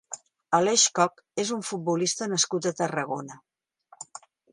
Aleix Coch és un futbolista nascut a Tarragona.